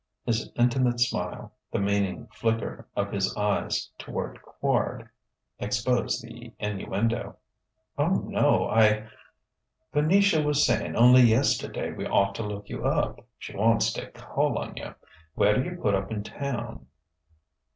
His intimate smile, the meaning flicker of his eyes toward Quard, exposed the innuendo. "Oh, no, I " "Venetia was saying only yesterday we ought to look you up. She wants to call on you. Where do you put up in town?"